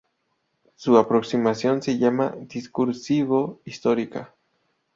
Su aproximación se llama "discursivo-histórica".